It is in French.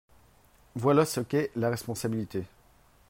Voilà ce qu’est la responsabilité